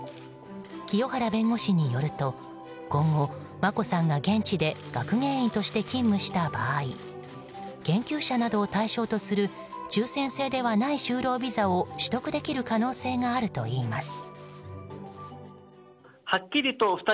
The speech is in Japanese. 清原弁護士によると今後、眞子さんが現地で学芸員として勤務した場合研究者などを対象とする抽選制ではない就労ビザを取得できる可能性があるといいます。